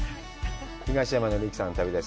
東山紀之さんの旅です。